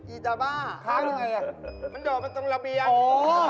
อีจาบ้าค้างอยู่ไหนน่ะมันโดดมาตรงระเบียนโอ้โฮ